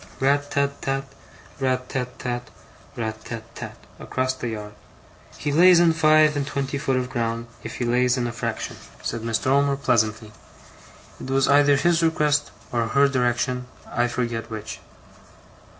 'RAT tat tat, RAT tat tat, RAT tat tat,' across the yard. 'He lays in five and twen ty foot of ground, if he lays in a fraction,' said Mr. Omer, pleasantly. 'It was either his request or her direction, I forget which.